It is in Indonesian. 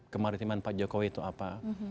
kemaritiman pak jokowi itu apa